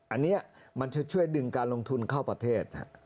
อันนี้มันจะช่วยดึงการลงทุนเข้าประเทศ